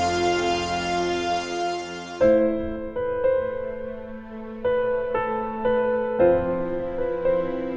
karena sekarang dia sudah menjadi seorang ibu